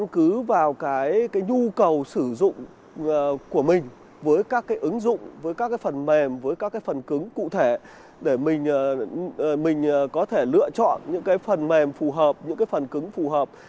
cái nhu cầu sử dụng của mình với các ứng dụng với các phần mềm với các phần cứng cụ thể để mình có thể lựa chọn những phần mềm phù hợp những phần cứng phù hợp